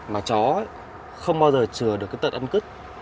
mà chó ấy không bao giờ chừa được cái tận ăn cứt